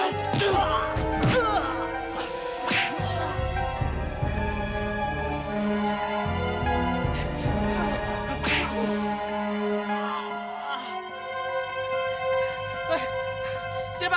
aku tidak kecempat